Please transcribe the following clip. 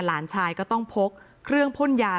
หลานชายก็ต้องพกเครื่องพ่นยา